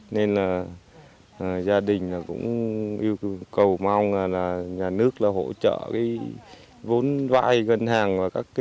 nên là gia đình cũng yêu cầu mong là nhà nước là hỗ trợ cái vốn vai gân hàng